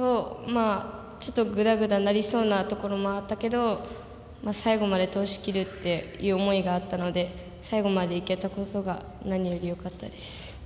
ちょっとぐだぐだなりそうなところもあったけど、最後までとおしきる思いがあったので最後までいけたことが何よりよかったです。